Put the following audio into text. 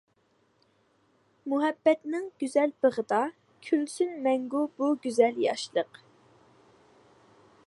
مۇھەببەتنىڭ گۈزەل بېغىدا، كۈلسۇن مەڭگۈ بۇ گۈزەل ياشلىق.